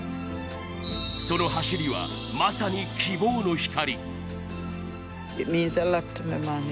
その走りは、まさに希望の光。